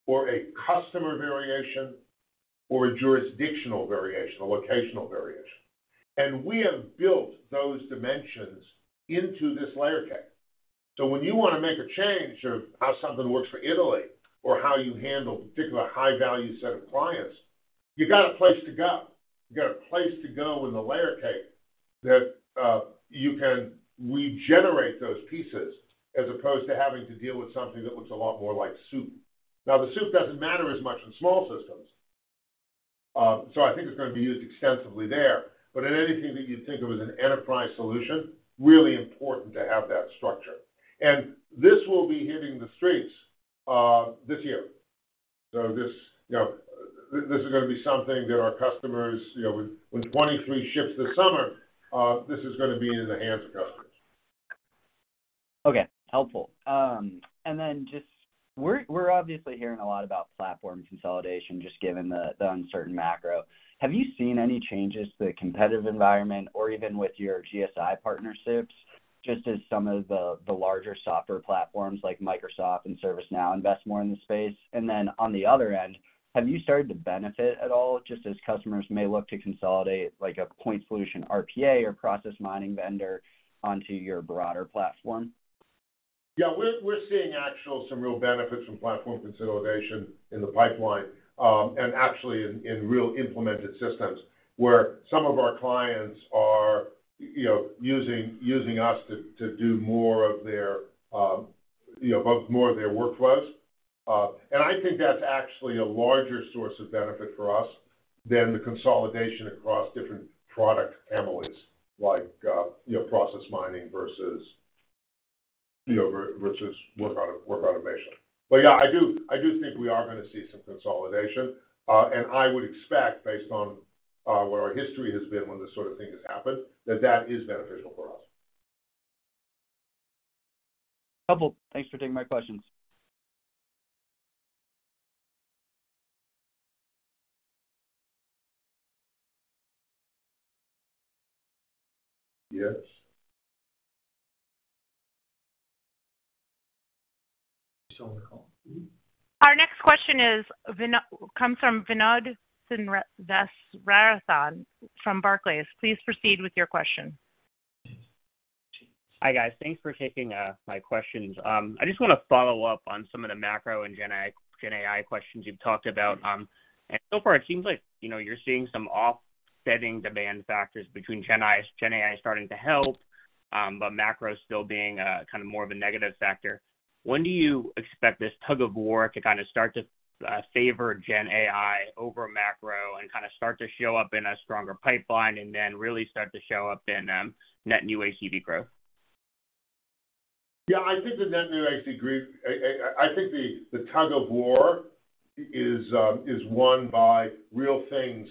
or a customer variation or a jurisdictional variation, a locational variation. We have built those dimensions into this Layer Cake. When you want to make a change of how something works for Italy or how you handle a particular high-value set of clients, you got a place to go. You got a place to go in the Layer Cake that you can regenerate those pieces, as opposed to having to deal with something that looks a lot more like soup. The soup doesn't matter as much in small systems, I think it's going to be used extensively there. In anything that you'd think of as an enterprise solution, really important to have that structure. This will be hitting the streets this year. This, you know, this is gonna be something that our customers, you know, with 23 ships this summer, this is gonna be in the hands of customers. Okay, helpful. Just we're obviously hearing a lot about platform consolidation, just given the uncertain macro. Have you seen any changes to the competitive environment or even with your GSI partnerships, just as some of the larger software platforms like Microsoft and ServiceNow invest more in the space? On the other end, have you started to benefit at all, just as customers may look to consolidate, like, a point solution RPA or process mining vendor onto your broader platform? Yeah, we're seeing actual some real benefits from platform consolidation in the pipeline, and actually in real implemented systems, where some of our clients are, you know, using us to do more of their, you know, both more of their workflows. I think that's actually a larger source of benefit for us than the consolidation across different product families, like process mining versus work automation. Yeah, I do think we are gonna see some consolidation, and I would expect, based on what our history has been when this sort of thing has happened, that that is beneficial for us. Helpful. Thanks for taking my questions. Yes. Our next question comes from Vinod Srinivasaraghavan from Barclays. Please proceed with your question. Hi, guys. Thanks for taking my questions. I just want to follow up on some of the macro and GenAI questions you've talked about. So far, it seems like, you know, you're seeing some offsetting demand factors between GenAI starting to help, but macro still being kind of more of a negative factor. When do you expect this tug-of-war to kind of start to favor GenAI over macro and kind of start to show up in a stronger pipeline and then really start to show up in net new ACV growth? Yeah, I think the net new ACV growth, I think the tug-of-war is won by real things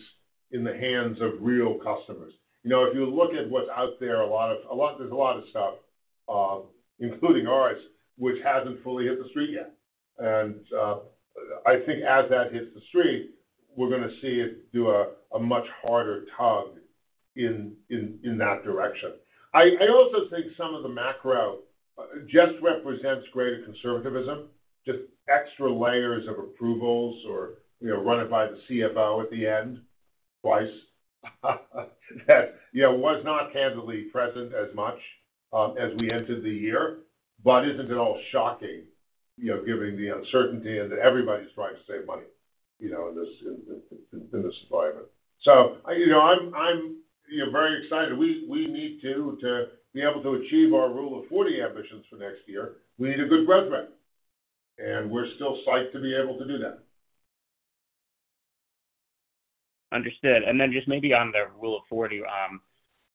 in the hands of real customers. You know, if you look at what's out there's a lot of stuff, including ours, which hasn't fully hit the street yet. I think as that hits the street, we're gonna see it do a much harder tug in that direction. I also think some of the macro just represents greater conservatism, just extra layers of approvals or, you know, run it by the CFO at the end twice. That, you know, was not candidly present as much, as we entered the year, but isn't at all shocking, you know, given the uncertainty and that everybody's trying to save money, you know, in this environment. You know, I'm, you know, very excited. We need to be able to achieve our Rule of 40 ambitions for next year, we need a good growth rate, and we're still psyched to be able to do that. Understood. Just maybe on the Rule of 40,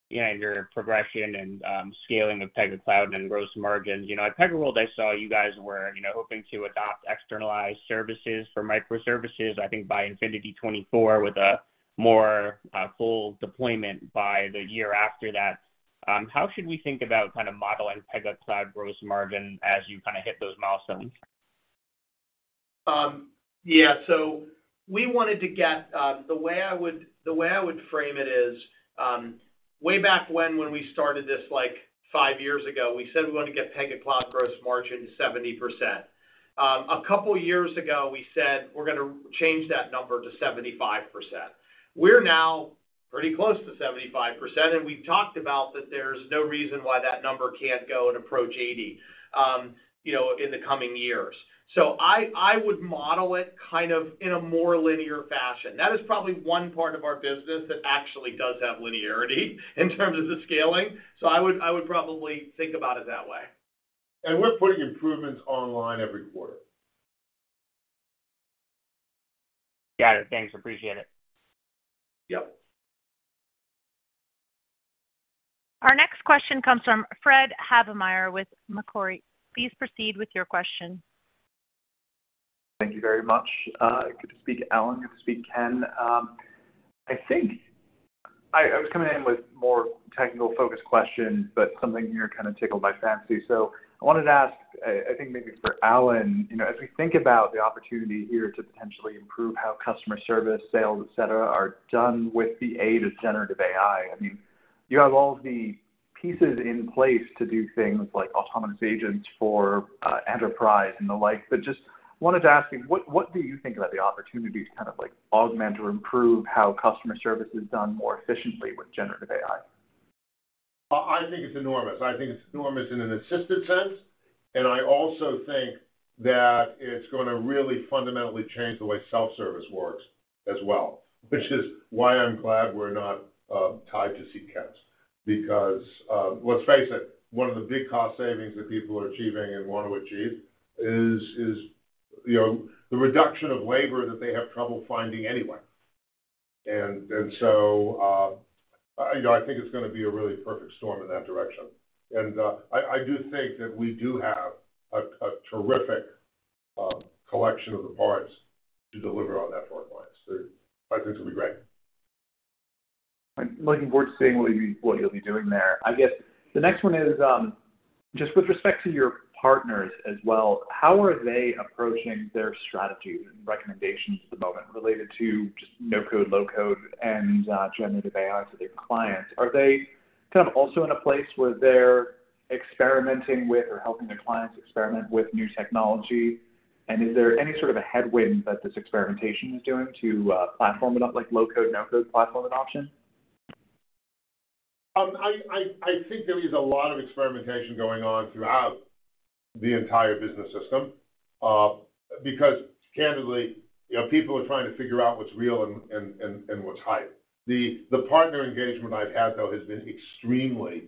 you know, your progression and scaling of Pega Cloud and gross margins. You know, at PegaWorld, I saw you guys were, you know, hoping to adopt externalized services for microservices, I think by Pega Infinity 2024, with a more full deployment by the year after that. How should we think about kind of modeling Pega Cloud gross margin as you kind of hit those milestones? Yeah. We wanted to get. The way I would frame it is, way back when we started this like five years ago, we said we want to get Pega Cloud gross margin 70%. A couple years ago, we said we're gonna change that number to 75%. We're now pretty close to 75%, and we've talked about that there's no reason why that number can't go and approach 80, you know, in the coming years. I would model it kind of in a more linear fashion. That is probably one part of our business that actually does have linearity in terms of the scaling. I would probably think about it that way. We're putting improvements online every quarter. Got it. Thanks, appreciate it. Yep. Our next question comes from Fred Havemeyer with Macquarie. Please proceed with your question. Thank you very much. Good to speak, Alan. Good to speak, Ken. I think I was coming in with more technical-focused questions, but something here kind of tickled my fancy. I wanted to ask, I think maybe for Alan, you know, as we think about the opportunity here to potentially improve how customer service, sales, et cetera, are done with the aid of generative AI, I mean, you have all the pieces in place to do things like autonomous agents for enterprise and the like. Just wanted to ask you, what do you think about the opportunity to kind of, like, augment or improve how customer service is done more efficiently with generative AI? I think it's enormous. I think it's enormous in an assisted sense, and I also think that it's gonna really fundamentally change the way self-service works as well, which is why I'm glad we're not tied to CCaaS. Let's face it, one of the big cost savings that people are achieving and want to achieve is, you know, the reduction of labor that they have trouble finding anyway. So, you know, I think it's gonna be a really perfect storm in that direction. I do think that we do have a terrific collection of the parts to deliver on that front, so I think it'll be great. I'm looking forward to seeing what you, what you'll be doing there. I guess the next one is, just with respect to your partners as well, how are they approaching their strategy and recommendations at the moment related to just no-code, low-code and generative AI to their clients? Are they kind of also in a place where they're experimenting with or helping their clients experiment with new technology? Is there any sort of a headwind that this experimentation is doing to platform like low-code, no-code platform adoption? I think there is a lot of experimentation going on throughout the entire business system, because candidly, you know, people are trying to figure out what's real and what's hype. The partner engagement I've had, though, has been extremely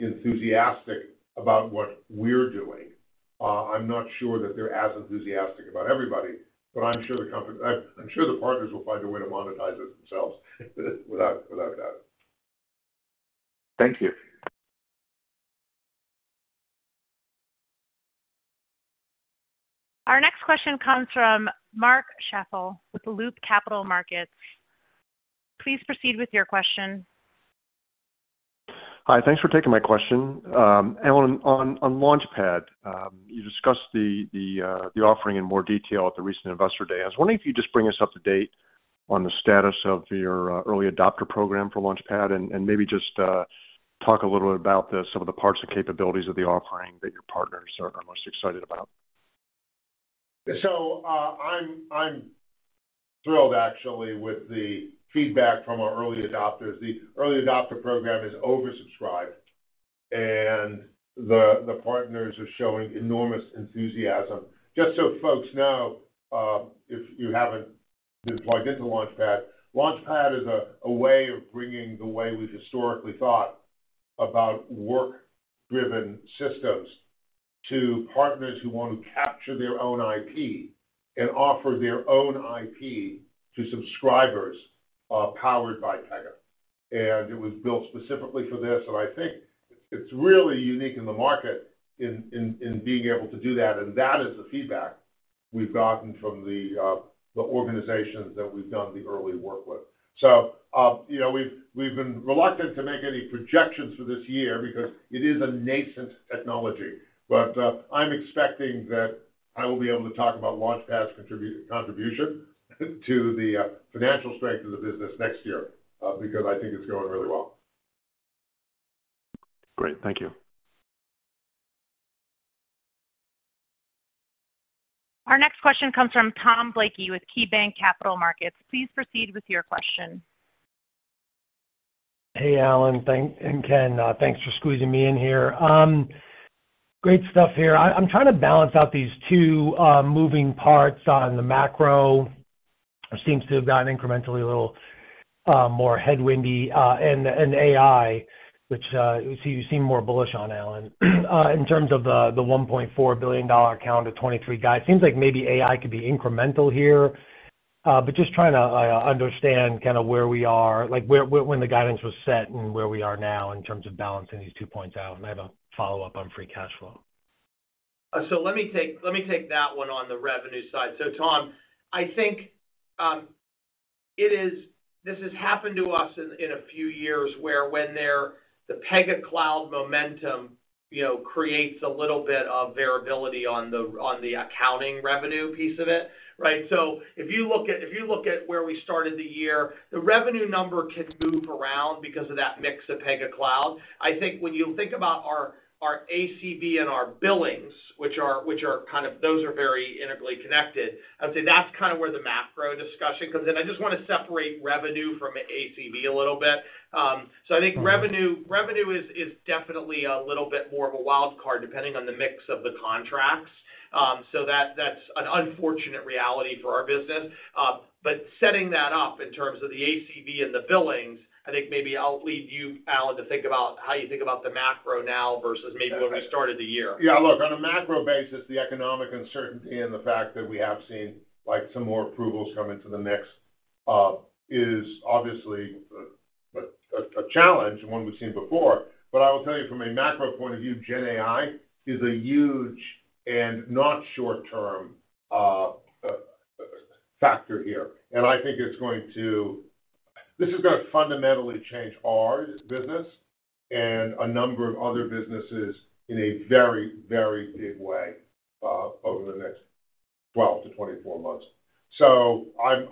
enthusiastic about what we're doing. I'm not sure that they're as enthusiastic about everybody, I'm sure the partners will find a way to monetize it themselves, without a doubt. Thank you. Our next question comes from Mark Schappel with Loop Capital Markets. Please proceed with your question. Hi, thanks for taking my question. Alan, on Launchpad, you discussed the offering in more detail at the recent Investor Day. I was wondering if you could just bring us up to date on the status of your early adopter program for Launchpad, and maybe just talk a little bit about the some of the parts and capabilities of the offering that your partners are most excited about. I'm thrilled actually, with the feedback from our early adopters. The early adopter program is oversubscribed, and the partners are showing enormous enthusiasm. Just so folks know, if you haven't been plugged into LaunchPad is a way of bringing the way we've historically thought about work-driven systems to partners who want to capture their own IP and offer their own IP to subscribers, powered by Pega. It was built specifically for this, and I think it's really unique in the market in being able to do that, and that is the feedback we've gotten from the organizations that we've done the early work with. You know, we've been reluctant to make any projections for this year because it is a nascent technology, but I'm expecting that I will be able to talk about Pega Launchpad's contribution to the financial strength of the business next year because I think it's going really well. Great. Thank you. Our next question comes from Tom Blakey with KeyBanc Capital Markets. Please proceed with your question. Hey, Alan. Thank Ken, thanks for squeezing me in here. Great stuff here. I'm trying to balance out these two moving parts on the macro. It seems to have gotten incrementally a little more headwindy, and AI, which you seem more bullish on, Alan. In terms of the $1.4 billion account of 2023 guide, it seems like maybe AI could be incremental here. Just trying to understand kind of where we are, where, when the guidance was set and where we are now in terms of balancing these two points out. I have a follow-up on free cash flow. Let me take that one on the revenue side. Tom, I think, this has happened to us in a few years. The Pega Cloud momentum, you know, creates a little bit of variability on the accounting revenue piece of it, right? If you look at, if you look at where we started the year, the revenue number can move around because of that mix of Pega Cloud. I think when you think about our ACV and our billings, those are very integrally connected, I'd say that's kind of where the macro discussion comes in. I just want to separate revenue from ACV a little bit. I think revenue is definitely a little bit more of a wild card, depending on the mix of the contracts.... That's an unfortunate reality for our business. Setting that up in terms of the ACV and the billings, I think maybe I'll leave you, Alan, to think about how you think about the macro now versus maybe where we started the year. Yeah, look, on a macro basis, the economic uncertainty and the fact that we have seen, like, some more approvals come into the mix, is obviously a challenge, one we've seen before. I will tell you from a macro point of view, GenAI is a huge and not short term factor here. I think it's going to. This is gonna fundamentally change our business and a number of other businesses in a very, very big way over the next 12-24 months.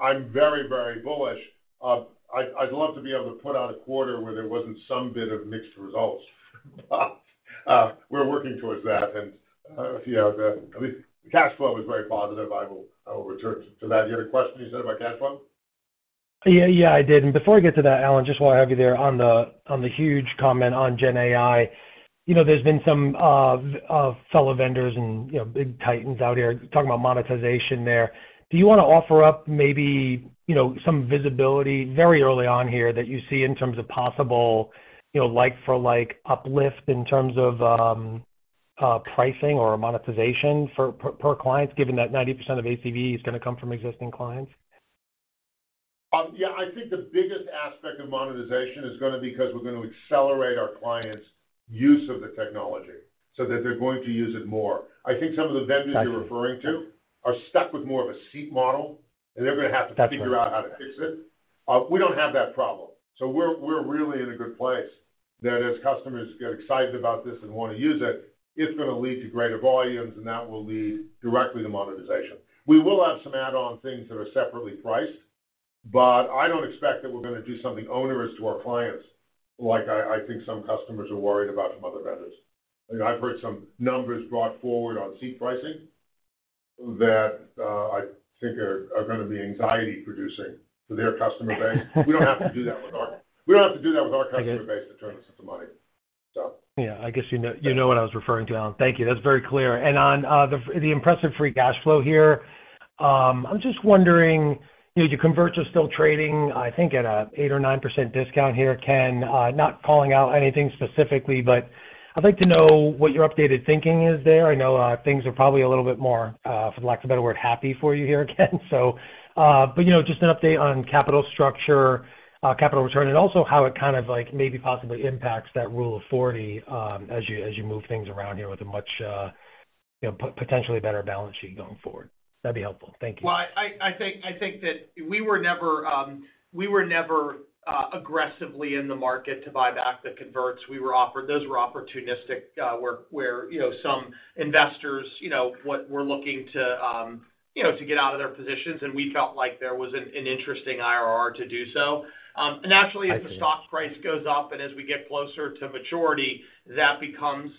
I'm very, very bullish. I'd love to be able to put out a quarter where there wasn't some bit of mixed results, but, we're working towards that. Yeah, the, at least the cash flow is very positive. I will, I will return to that. You had a question, you said, about cash flow? Yeah, yeah, I did. Before we get to that, Alan, just while I have you there on the, on the huge comment on Gen AI, you know, there's been some fellow vendors and, you know, big titans out here talking about monetization there. Do you want to offer up maybe, you know, some visibility very early on here that you see in terms of possible, you know, like-for-like uplift in terms of pricing or monetization for per client, given that 90% of ACV is gonna come from existing clients? I think the biggest aspect of monetization is gonna be because we're gonna accelerate our clients' use of the technology so that they're going to use it more. Got you. I think some of the vendors you're referring to are stuck with more of a seat model, and they're gonna have to... That's right. figure out how to fix it. We don't have that problem, so we're really in a good place, that as customers get excited about this and wanna use it's gonna lead to greater volumes, and that will lead directly to monetization. We will have some add-on things that are separately priced, but I don't expect that we're gonna do something onerous to our clients, like I think some customers are worried about from other vendors. I mean, I've heard some numbers brought forward on seat pricing that I think are gonna be anxiety-producing for their customer base. We don't have to do that with our customer base. I get it. in terms of the money. Yeah, I guess you know, you know what I was referring to, Alan. Thank you. That's very clear. The impressive free cash flow here, I'm just wondering, you know, your converts are still trading, I think, at a 8% or 9% discount here, Ken. Not calling out anything specifically, but I'd like to know what your updated thinking is there. I know, things are probably a little bit more, for lack of a better word, happy for you here again. You know, just an update on capital structure, capital return, and also how it kind of, like, maybe possibly impacts that Rule of 40, as you, as you move things around here with a much, you know, potentially better balance sheet going forward. That'd be helpful. Thank you. Well, I think that we were never aggressively in the market to buy back the converts we were offered. Those were opportunistic, where, you know, some investors, you know, what we're looking to, you know, to get out of their positions, and we felt like there was an interesting IRR to do so. Naturally. I see. As the stock price goes up and as we get closer to maturity, that becomes,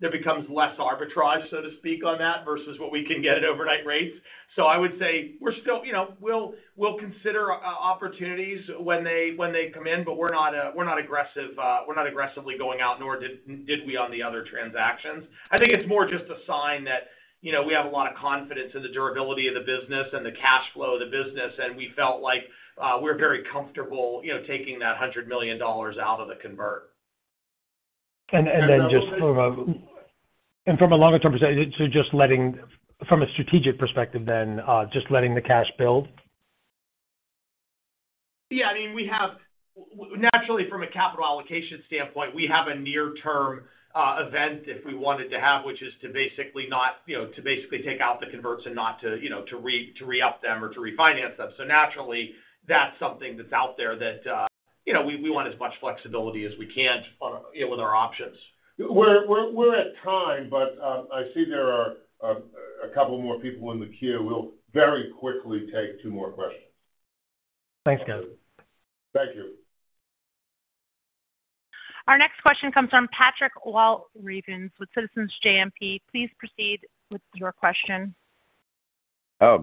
there becomes less arbitrage, so to speak, on that, versus what we can get at overnight rates. I would say we're still. You know, we'll consider opportunities when they, when they come in, but we're not, we're not aggressive, we're not aggressively going out, nor did we on the other transactions. I think it's more just a sign that, you know, we have a lot of confidence in the durability of the business and the cash flow of the business, and we felt like, we're very comfortable, you know, taking that $100 million out of the convert. Then just from. And, uh- from a longer term perspective, from a strategic perspective, just letting the cash build? I mean, we have Naturally, from a capital allocation standpoint, we have a near-term event if we wanted to have, which is to basically not, you know, to basically take out the converts and not to, you know, to re-up them or to refinance them. Naturally, that's something that's out there that, you know, we want as much flexibility as we can on, you know, with our options. We're at time. I see there are a couple more people in the queue. We'll very quickly take two more questions. Thanks, guys. Thank you. Our next question comes from Patrick Walravens with Citizens JMP. Please proceed with your question.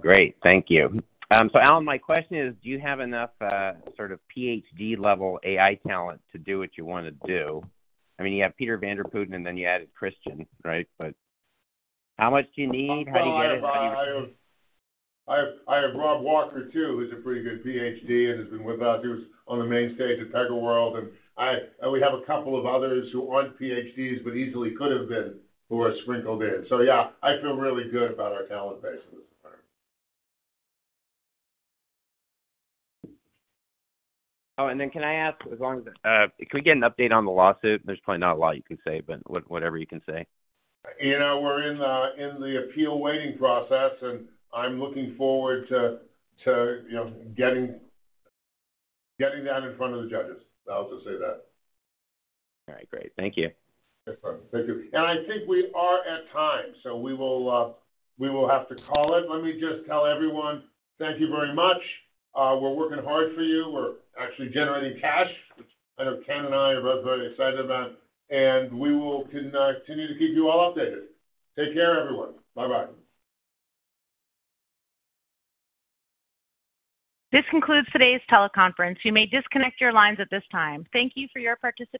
Great. Thank you. Alan, my question is: Do you have enough, sort of PhD-level AI talent to do what you want to do? I mean, you have Peter van der Putten, and then you added Christian, right? How much do you need? How do you get it? I have Rob Walker, too, who's a pretty good PhD and has been with us on the main stage at PegaWorld. We have a couple of others who aren't PhDs but easily could have been, who are sprinkled in. Yeah, I feel really good about our talent base at this time. Oh, can I ask, could we get an update on the lawsuit? There's probably not a lot you can say, but whatever you can say. You know, we're in the appeal waiting process. I'm looking forward to, you know, getting that in front of the judges. I'll just say that. All right, great. Thank you. Yes, sir. Thank you. I think we are at time, we will have to call it. Let me just tell everyone thank you very much. We're working hard for you. We're actually generating cash, which I know Ken and I are both very excited about, and we will continue to keep you all updated. Take care, everyone. Bye-bye. This concludes today's teleconference. You may disconnect your lines at this time. Thank you for your participation.